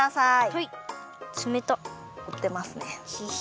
はい。